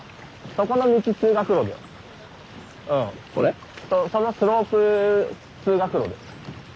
そうそのスロープ通学路です。